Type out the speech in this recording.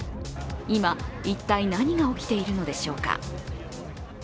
今、一体何が起きているのでしょうか？